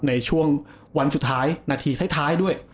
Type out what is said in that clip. ในช่วงวันสุดท้ายนาทีท้ายด้วย